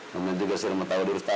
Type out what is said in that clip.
namun juga si ramadhan diurus tau